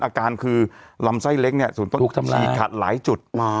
อาการคือลำไส้เล็กเนี่ยฉีกขาดหลายจุด